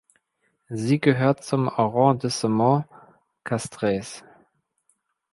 Sie gehört zum Arrondissement Castres.